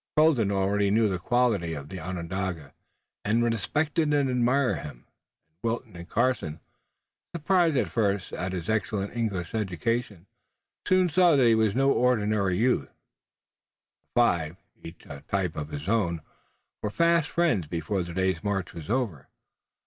Colden already knew the quality of the Onondaga, and respected and admired him, and Wilton and Carson, surprised at first at his excellent English education, soon saw that he was no ordinary youth. The five, each a type of his own, were fast friends before the day's march was over.